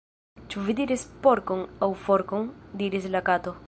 "Ĉu vi diris porkon, aŭ forkon?" diris la Kato.